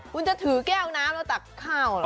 คุณจะถือแก้วน้ำแล้วตักข้าวเหรอ